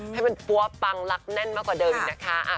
ให้มันปั๊วปังรักแน่นมากกว่าเดิมอีกนะคะ